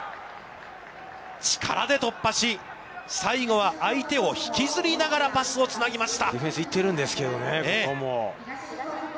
力で突破し、最後は相手を引きずりながらパスをつなぎました。